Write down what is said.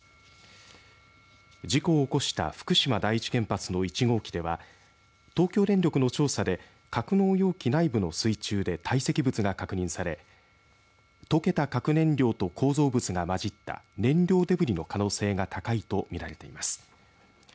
事故を起こした福島第一原発の１号機では東京電力の調査で格納容器内部の水中で堆積物が確認され溶けた核燃料と構造物が混じった燃料デブリの可能性が高いと見られています。